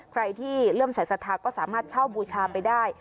ใครที่เริ่มใส่สัทธาก็สามารถเช่าบูชาไปได้